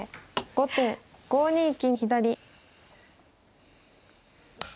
後手５ニ金左。